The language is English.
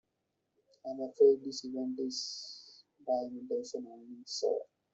I'm afraid this event is by invitation only, sir.